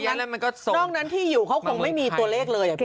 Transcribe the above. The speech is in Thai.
เก่งแล้วมันก็ส่งมาเมืองไทย